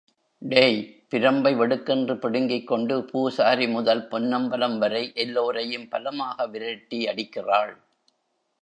டேய்....... பிரம்பை வெடுக்கென்று பிடுங்கிக் கொண்டு பூசாரி முதல் பொன்னம்பலம் வரை எல்லோரையும் பலமாக விரட்டி அடிக்கிறாள்.